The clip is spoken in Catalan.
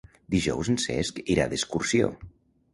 Dijous en Cesc irà d'excursió.